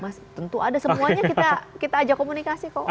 masih tentu ada semuanya kita ajak komunikasi kok